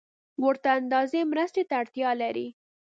ورته اندازې مرستې ته اړتیا لري